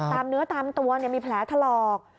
ตามเนื้อตามตัวมีแผลถลอก